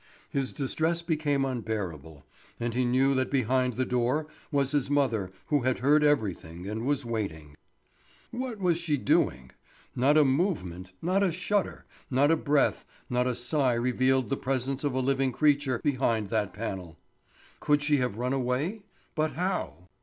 His distress became unbearable; and he knew that behind the door was his mother who had heard everything and was waiting. What was she doing? Not a movement, not a shudder, not a breath, not a sigh revealed the presence of a living creature behind that panel. Could she have run away? But how?